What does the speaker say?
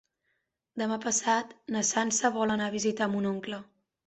Demà passat na Sança vol anar a visitar mon oncle.